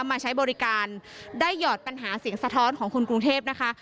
มาใช้บริการได้หยอดปัญหาเสียงสะท้อนของคนกรุงเทพนะคะ